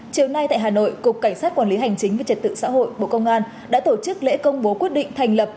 chiều nay tại hà nội cục cảnh sát quản lý hành chính về trật tự xã hội bộ công an đã tổ chức lễ công bố quyết định thành lập